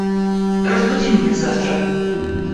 Разбуди меня завтра